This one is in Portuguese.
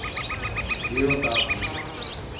Deodápolis